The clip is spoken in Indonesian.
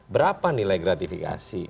berapa nilai gratifikasi